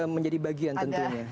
menjadi bagian tentunya